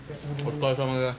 お疲れさまです。